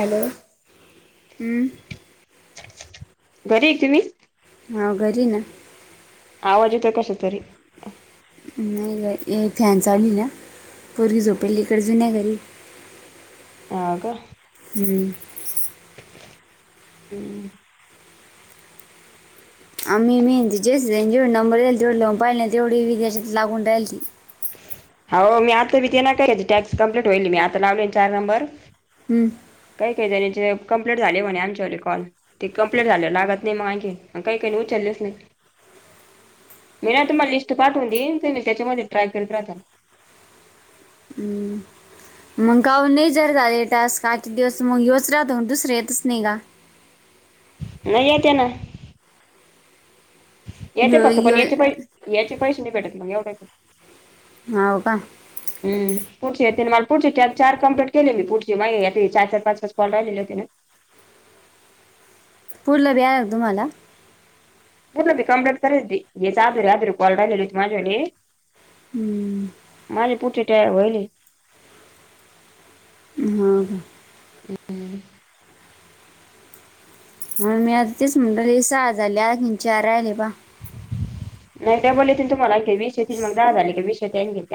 Hello हम्म घरी त म्. ह घरी ना. आवाजेत कसं तरी नाही ग एक फॅन चाढली ना पोरगी झोपेली इकडच नाही घरी ह का हम्म हम्म आम्ीेहनती जेच जेढ नंबर दईल तेवढ लऊन पाहिले नाही तेवढी विी त्याच्या लाून राहिल ती हो मी आता बीतीे ना काय त्यायची टॅक्स कं्प्लीट होईल मी आता लावले चार नंबर हम्म काही काही झारीचे कं्प्लेंट झाली म्हणे आमच्या व कॉल ते कम्प्लीट झाले लागत नाही मागे काही काही उचललेच नाही मी ना तुम्हाला लिस्ट पाठवून देईन तुम्ही त्याच्यामध्ये ट्रय करत राहल ह मग काऊ नाही जर झाले टास काही दिवस मग योच राहतो मग दुसरं येतच नाही का नाही येत ना याचे यो फक्त पण यो याचे पै याचे पैसे नाही भेटत मग एवढाच होव का पुढची य तने मला पुढची चार चार कंप्ली केली मी पुढची माग या चार चार पाच पाच कॉल राहिलेली हो तिने पूर्लं व्या तुम्हाला मुर्लं भ कंप्ं करयच यारॉल रालेललीच माझली [unintelligible] हम्म माझली पुठे टॅयर होईलली हा हा हम् [unintelligible] मी आता तेच म्हणटले सहाज झाले आंचार राहिले बा नाही का बोललेत तुम्हा वीसशेती मग दहा झाली काी वीस शे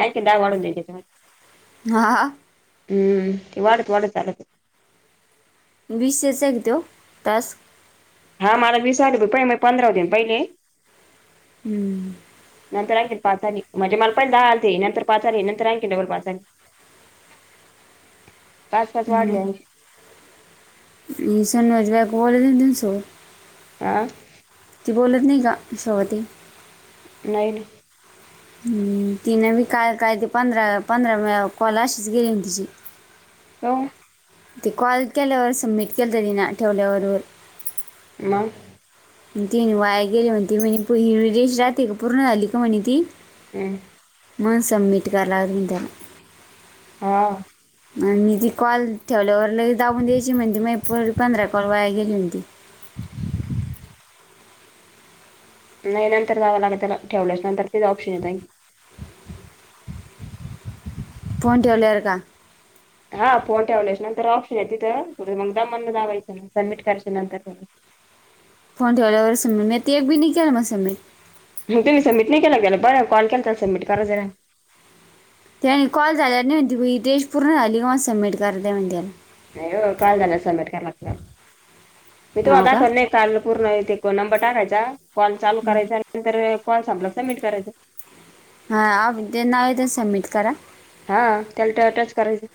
आणखी दहा वाढून द्याय हा हा हम्म वाढत वाढत आढत बीस सेचा एक देऊ तास हा मला विसाले ब पहि मी पंधरा दिन पहिले हम्म नंतर आणखी पाच आली म्हणजे मला पहि दहा आलते नंतर पाच आली नंतर आणखी डबल पाच झाली [unintelligible] पाच पाच वाढले हम आणखी सन वाज बग वलेन तनसो [unintelligible] ह ती बोलत नाही ग शवती नाईन [unintelligible] तिनं मी काय काय ते पंधरा पंधरा कॉल अशीच गेली ना तिची हो [unintelligible] त कॉल केल्यावर सबमिट केलं तरी ना ठेवल्यावर मग आणि ती आणि वायर गेल होो ती म्ह म प हि रेस राात को पूर्ण झाली हो म्ह ती [unintelligible] हम् [unintelligible] म्हण सब्ममीट कराला त त्याला हा आणि मी ती कॉल ठेवल्यावर लग जाऊून द्यायची म्हणते मग प पंधरा कॉल वाया गेली होणती नाही नंतर जावं लागे त्याला ठेवल्याच नंतर तेच ऑप्शन येत नाही फोन टीवेलायार का हा फोन ठेवल्यायच्या नंतर ऑप्शन आहे तिथंथं मग दम द जावायचं नाग सबमिट कयच्या नंतर फोन ठेवल्यावर सम मी ते एक बी नाही केल म समत ह तुमही सबमिट नाही केलं गेला बरं कॉल केला तर सबमट कररा जरा [unintelligible] त्या आणि कॉल झाल्या नाही म्हण ती टेश पूर्ण झाली का म सबमिट करां आहे म्हण त्याला नाही हो, काल झालं समेट करायला हो लागत्यात का [unintelligible] काॅल पूर्ण ते नंबर टाकायचा, कॉल चालू करायचा आणि नंतर कॉल संपला सबमिट करायच. हां.. ते नाव येत समिट करा. हां.. त्याला ट- टच करायचं,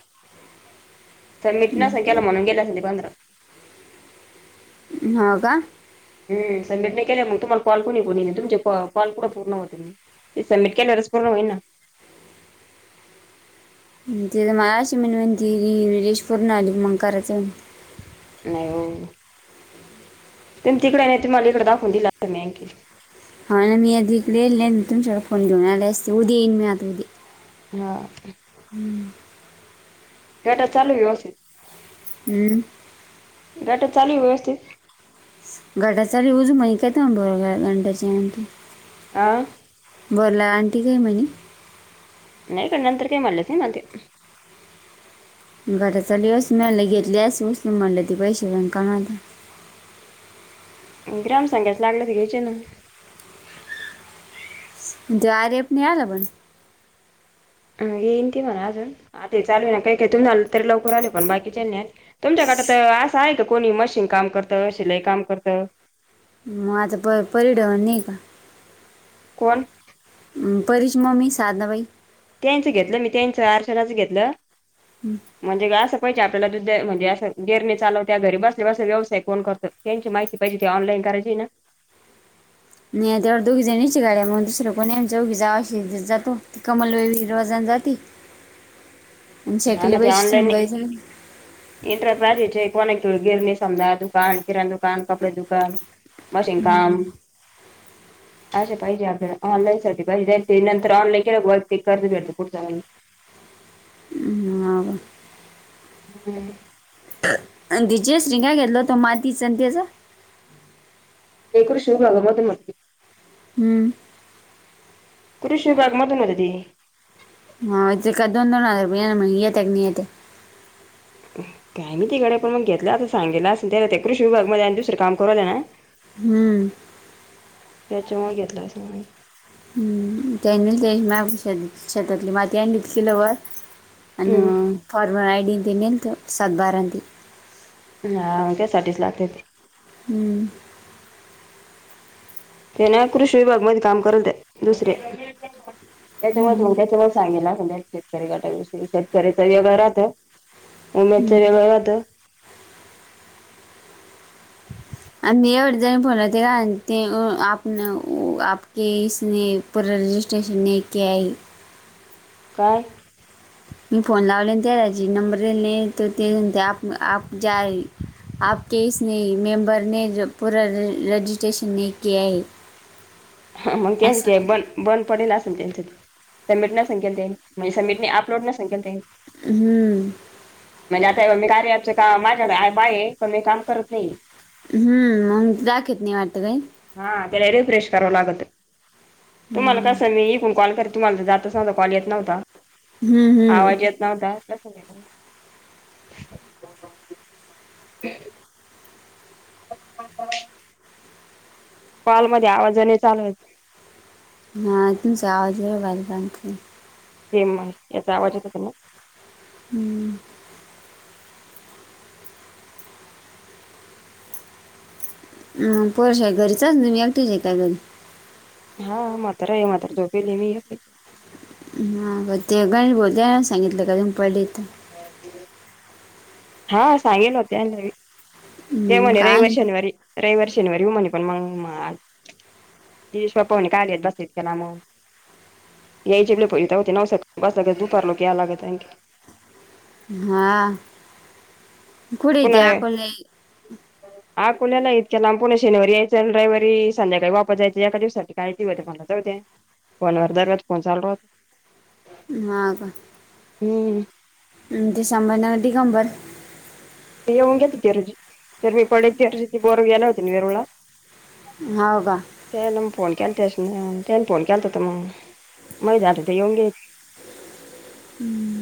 समिट नसलं केलं म्हणून गेलं असेल ते पंधरा. हं का. हम. समिट नाही केल्यावर मग तुम्हाला, काॅल कोणी कोणी केलंत तुमचे काॅल कुठे पूर्ण होतील. मग ते समिट केल्याच पूर्ण होईना. [unintelligible] देशपूरून आली मग करायच. नाही हो, तम तिकडे नाही तुम्हाला इकडे दाखवून दिलं मी हाय की. हं ना [unintelligible] फोन घेऊ आला असते उद्या येईन मी आता उद्या. हां. हम्म. गटा चालू ये व्यवस्थित. हम्म. गटा चालू आहे व्यवस्थित. घटा चालू उज माहि काय ब घंटा [unintelligible] आह. बला आंटी काय म्हणे, नाही गं नंतर काही म्हणल्या च नाही मला त्या. घरा चालवस मया म्हणल घेतली अस उसलून म्हणल ते पैसे [unintelligible] ग्राम संघाच लागलत घ्यायचे ना. जे आर एफ नाही आला पण. येईन ती म्हणा अजून, आता चालू ना काय काय तुम् आ तरी लवकर आलं, पण बाकीच्या नाही आले. तुमच्या गटात असं आहे का, कोणी मशीन काम करतं शिलाई काम करतं. माज परिढं निका. कोण? परिची मम्मी साधबाई. त्यांचं घेतलं मी, त्यांचं अर्चनाचं घेतलं. हमं. म्हणजे असं पाहिजे आपल्याला दुध म्हणजे असं, गिरणे चालव त्या, घरी बसले बसले व्यवसाय कोण करत. त्यांची माहिती पाहिजे होती, ऑनलाईन करायची ना. नाही तेव दोघी जणीची गड्या, मग दुसरं कोण आम्ही चोघी जावा शेती जातो. कमलबाई रोजान जाती. हा. ना.. ते सून ऑनलाईन‌ ये. बाई जाते. इंटरप्रायजेचे कोणा ग- गिरणी समजा दुकान, किराण दुकान, कपडे दुकान. मशिन काम. अशे पाहिजे आपल्याला, ऑनलाईनसाठी पाहिजे ते नंतर ऑनलाइन क ते कर्ज भेटतं पुढं.. [unintelligible] हम्म. अं.. ते जयश्री काय घेतलं होत मातीच अन तेच? [unintelligible] हम्म. कृषी विभाग मधून होती ती. हा ते का दोन दोन हजार रुपया येना म येत्या कनी येतय. ह. काय मायती गड्या, पण मग घेतले अस सांगेल आसन त्याला, त्या कृषी विभाग मध्ये आणि दुसरं काम करु रायल्या ना. हम्म. तेच्यामुळं घेतला असल मग. हम, त्यांनी ते म्या शेत शेतातली माती आणली होती किलो भर. अन हम्म फॉरमर आयडी न ते, नेलत सात बारा न ते. हा त्याचा साठी लागत ते. हम्म. ते ना कृषी विभाग मध्ये काम करुल्या त्या दुसर्या त्याच्यामुळे च मग त्याच्यामुळे च. सांगेल आसन त्यातला शेतकरी गटाविषयी. शेतकऱ्याच वेगळ राहत, उमेदच वेगळ राहत. अ मी एवढे जन फोन येते का अ तेअं आप न ओ आप के इसने. पूरा रजिस्ट्रेशन ने क्या आई. काय? मी फोन लावलेना त्या जे नंबर दिले त ते आप आप ज्या आहे.... आप के इसने मेंबरने पूरा रज रजिस्ट्रेशन नाही किया हे. हा मग त्यान त्या बन... बंद पडेल असेल त्यांच्य ते, सबमिट नसन केल त्या नि म्हणजे समिटनई अपलोड नसन केल त्यांनी. हम्म. म्हणजे आता हेबग मी कार्या ॲपच काम माझ्या कडे ॲप आहे पण मी काम करत नाही. हम्म मग दाखित नाही वाटत काही. हा त्याला रिफ्रेश कराव लागत, तुम्हाला हम्म, कस... जस मी इकुन कॉल करे तुम्हाला जातच नव्हता कॉल येत नव्हता हम्म. आवाज येत... नव्या तसं ते... ह.. [inaudible] कॉलमध्ये आवाज लय चालूहोय.... हां तूमचा आवाज लय बारिक अंत... हे माईक याचा आवाज येत होता मले. [inaudible] मग पोर शाळेत घरीच आसन तुम्ही एकट्या हे का घरी. हा मात्र आहे मात्र झोपेली मी हे [unintelligible] हा ते हा सांगितले होते हा घरी ते मग म्हणे रविवारी काय शनिवारी रविवार शनिवारी म्हणे पण मग तेश्पवणी कालेत बसत केला मग या जेवले प होते नऊ ब दुपार लोक याय लागतँ हा कडी द्याकले आकुल्याला इतक्या लांबपला शनिवारी यायचं आणि रविवारी संध्याकाळी वापस जायच एका दिवसासाठी काहिती होते मला जाउदे फोनावर दरोत फोन चालू रा मग म्म दिसंबर न डीगंबर ते येऊन घेत होती रजी तर मी पडेल रजी ते बोर गेयला होतीेेन येरूळला मौका त्यान मग फोन केला त्यास ना त्यान फोन केला त होत मग मग जात हो ते येऊन घे हम्म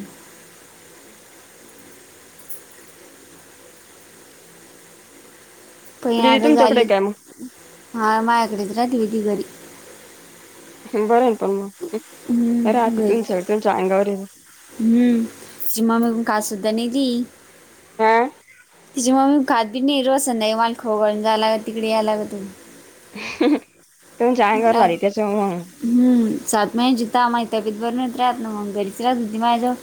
पहि दिदी आता झाली तुमच्याकडे काय मा मायाकडेच राहते ती घरी हे बरय पण मग हम राहते गज तुमच्या तुमच्या अंगावर आहे हम्म सिमा मगून का सुद्धा नाही ती अं तिची मम्मी खाती नाही रोज नाही माल खोगळून जाला तिकडे यायलाग त हं तुमच्या अंगावरून आली त्याच्यामुळ हम् सात म जता आ मा इ तबीत बर नाही राहत मग घरीच राहधी मा जाव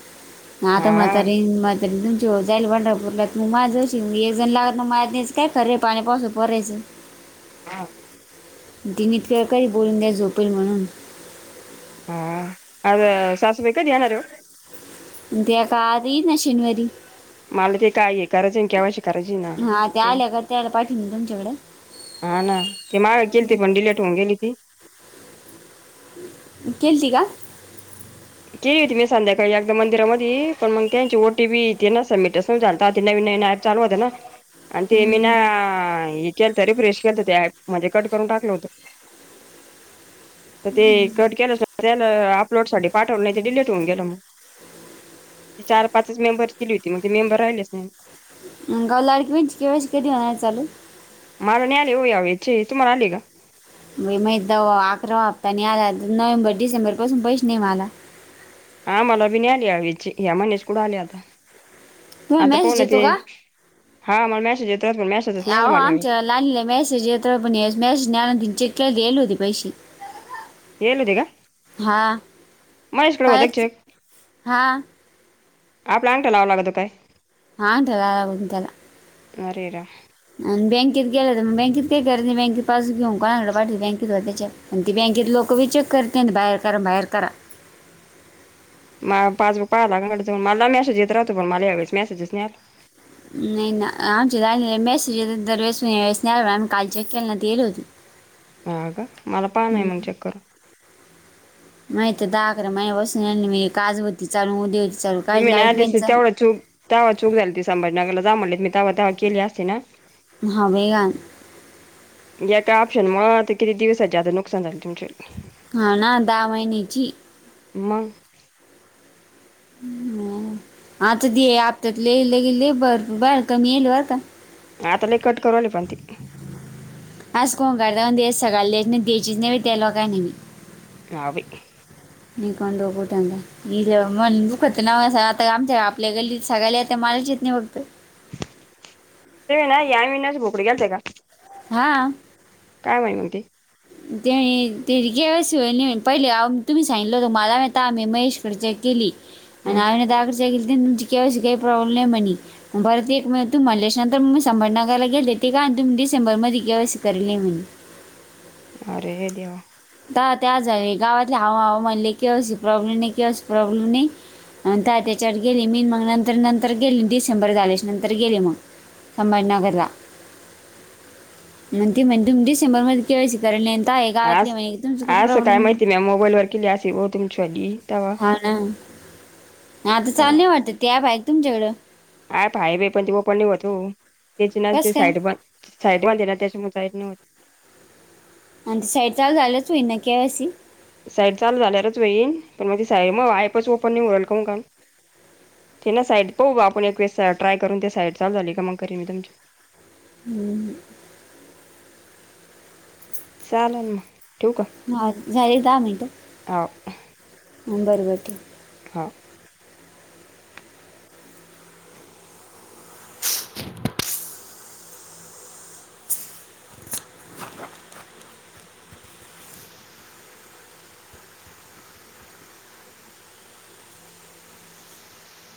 ना त हा म्हातारी म तरी तुमची जाईल पंढरपूरला तू माझायची मी एकजण लागत ना माज्याचं काय खरंे पाणी पाासून परायचं हा दिनीतकरळकरी बोलून द्यास झोपेल म्हणून हं आ सासुबाई कधी येणारै ओ दॅका आ दित ना शनिवारी मला ते काय हे करायचं केव्हाशी करायची ना हा त्या ते आल्या का त्याला पाठवून तुमच्याकडे हा ना ते माग केली त पण डीलीट होऊन गेली ती केलती का केली होती मी संध्याकाळी एकदा मंदिरामध्ये पण मग त्यांची ओटी बीथे ना सबमिट असून झाल नवीन नवीन चालू होत ना आणि ते मी ना हम्म. केल तर अरे प्रेश केल ते म्हणजे कट करून टाकलं होतं तर ते कट केलं त्याला अपलोड साठी पाठवून नाही ते डिलीट होऊन गेलं मग ती चार पाच मेंबर केली होती मग ते मेंबर राहिलेच नाही ग लाडकी बं केवासी कधी होणार चालू मला नाही आले हो यावेचे तुम्हाला आले गा. मा अकरा हप्तानी आला नोव्हेंबर डिसेंबर पासून पैसे नाही मला हा मला बी नाही आली या्या महिन्याच कुठं आल्या आता तुम्हाला आता मेसेज पोण येतो ते का हा मला मेसेज येतोच पण मेसेजच नाही मला तर पण मॅ न्याना दिचील्या लल होते पैसे हदीघ कायच हा आपला अ आण ठा लावं लागतो काय हां त्याला हो त्याला अरेरा आणि बँकेत गेले तर मग बँकेत काय कररा नाही बँकेत पा ब घेऊ कोणाकडे पाट बँकेत हो त्याच्या आणि ती बँकेत लों विचक करते बाहेर करा बाहेर करा म पासबुक पाहायला काडं मला मेसेज येत राहतो पण मला यावेळेस मेसेजच नाही आला. नाही नाही आम जा मे दर वेस वेस नाहीण आ् कालचे केलं ना तेल हा ग मला पान आहे मग चक्कर माहिती दाकरा माझ बसून म काजती चालून उ्या त मी ना तेवढा चूक तेवढ चूक झाली ति संभजी नगरला जा म्हणलेत मी दवा दावा केले असते ना हा बाई घाण या काय प्शन मग आता किती दिवससाचे आता नुकसान झालं तुम हा ना दहा महिन्याची मग ह आता आपत्यात लहिले गेले भरपू बाहेर कमी येईलवरता आताला कट कराली पण ते आज कोण करता द सगळयला दच नाही द्यायचीच नाही त्याला काय नाही ममी नावी निकनोुठ म्हख न आता आमच्या आपल्या गल्लीत सगायला मला चित नाही बघत ते ना या महिन्याच भोकडी ग्याल ते का हा काय माहि म्हणते त्या त्या गॅव शिवली पहिले ह तम् सांगितललं तर मालाा येताम्ही महेशकडेच्याक केली आणि हं. आईने दागड ग तुमची केव काही प्रॉब्लेम नाही म्हणे ग परत एक तू म्हणल्याश नंतर मी संंभरनगराला गेले ते का तुम्ही डिसेंबर मध्ये ग केवस करल नाही म्हण अरे देव तर त्या झा गावातले हा म्हणाले की असशी प्रॉब्लेम नाही की अस प्रॉब्लेम नाही आणिंत त्याच्यावर गेले मीन मग नंतर नंतर गेली डिसेंबर झाल्या नंतर गेले मग संभाजीनगरला ते म्हण तुम्ही डिसेंबर मध्ये क केसरले अंत हेग ं काय माहितीय म मोबाईल वर केली अस भा तुमच्या आग हा ना आता चाल नाही वाटत तेब आहे तुमच्याकडं हा भाई बाई पण तेव पणणी होतो त्याची ना कस ते काय साईड पण साईड म दे ना त्याच्या मग साईड न होती आणि ते साईड चाल झालंच होई ना केवसी साईड चालू झाल्याच होईन पण मग ती साईड मग आयपच ओपन नाही उरल का मग काम ते ना साईड पाहू आपण एक वेस ट्रय करून ते साईड चालव झाली का मग कररी मी तुमची हम्म चालेल मग ठूक हा झाले दहा मिनटं हो बरं बरतेे हा [unintelligible] [unintelligible]